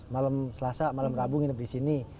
malam selasa malam rabu nginep di sini